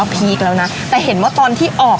พีคแล้วนะแต่เห็นว่าตอนที่ออก